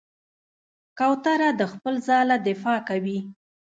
کوتره د خپل ځاله دفاع کوي.